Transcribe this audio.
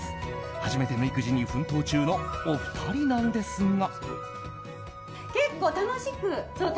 初めての育児に奮闘中のお二人なんですが。